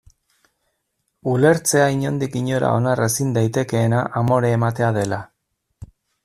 Ulertzea inondik inora onar ezin daitekeena amore ematea dela.